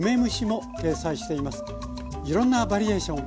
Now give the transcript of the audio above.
いろんなバリエーション